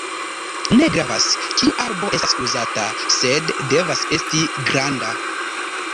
Ne gravas kiu arbo estas uzata, sed devas esti granda.